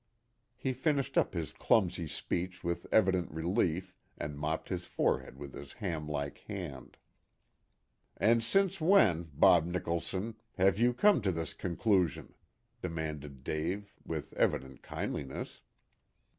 He finished up his clumsy speech with evident relief, and mopped his forehead with his ham like hand. "And since when, Bob Nicholson, have you come to this conclusion?" demanded Dave, with evident kindliness.